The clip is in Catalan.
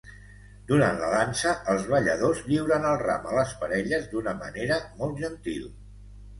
Durant la dansa, els balladors lliuren el ram a les parelles d'una manera molt gentil.